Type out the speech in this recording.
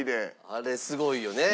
あれすごいよね。